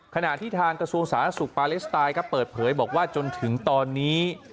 ขณะที่ทางกระทรวงสาธารณสุขปาเลสไตน์ครับเปิดเผยบอกว่าจนถึงตอนนี้